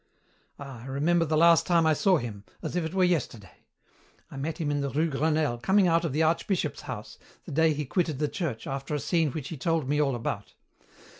"Ah, I remember the last time I saw him, as if it were yesterday. I met him in the rue Grenelle coming out of the Archbishop's house, the day he quitted the Church, after a scene which he told me all about.